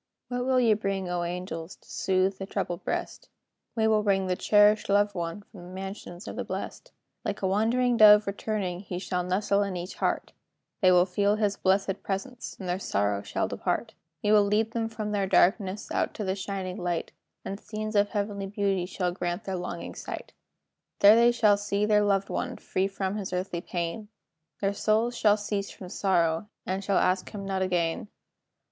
What will ye bring, O angels, To soothe the troubled breast? "We will bring the cherished loved one From the mansions of the blest. Like a wandering dove returning, He shall nestle in each heart; They will feel his blesséd presence, And their sorrow shall depart. "We will lead them from their darkness Out to the shining light, And scenes of heavenly beauty Shall greet their longing sight. There shall they see their loved one, Free from his earthly pain; Their souls shall cease from sorrow, And shall ask him not again.